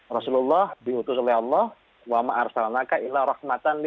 rasulullah diutus oleh allah